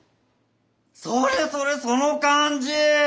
それそれその感じ！